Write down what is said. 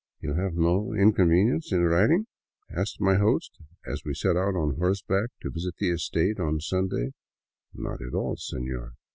" You have no inconvenience in riding ?" asked my host, as we set out on horseback to visit the estate on Sunday. " Not at all, senor."